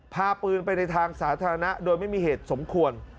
พาปืนไปในทางสาธารณะโดยไม่มีเหตุสมควร